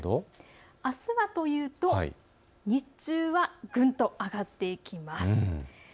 あすはというと日中は、ぐんと上がっていきます。